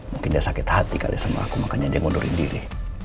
mungkin dia sakit hati kali sama aku makanya dia mundurin diri